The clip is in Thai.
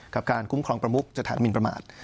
กับการคุ้มครองประมุกสถานมินประมาท